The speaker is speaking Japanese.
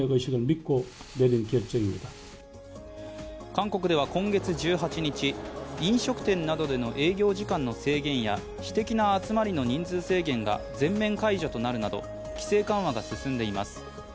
韓国では今月１８日飲食店などでの営業時間の制限や私的な集まりの人数制限が全面解除となるなど、規制緩和が進んでいます。